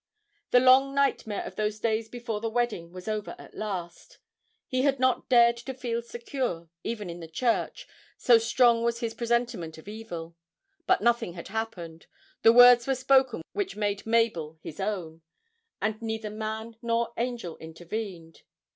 The long nightmare of those days before the wedding was over at last. He had not dared to feel secure, even in the church, so strong was his presentiment of evil. But nothing had happened, the words were spoken which made Mabel his own, and neither man nor angel intervened.